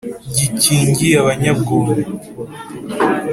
Gikingiye abanyabwoba.